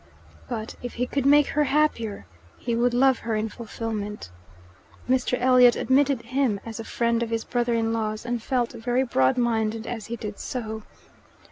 But if he could make her happier, he would love her in fulfilment. Mr. Elliot admitted him as a friend of his brother in law's, and felt very broad minded as he did so.